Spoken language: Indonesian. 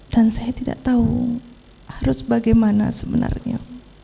dan saya tidak tahu harus bagaimana sebenarnya